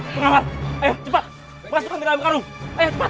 pengawal ayo cepat masukkan diri kami karung ayo cepat